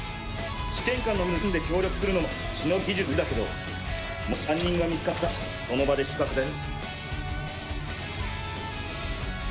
試験官の目を盗んで協力するのも忍の技術のうちだけどもしカンニングが見つかったらその場で失格だよ。